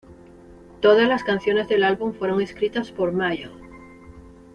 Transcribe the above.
Todas las canciones del álbum fueron escritas por Mayall.